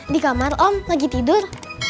di kamar om lagi tidur